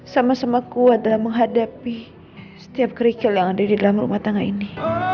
sama sama kuat dalam menghadapi setiap kerikil yang ada di dalam rumah tangga ini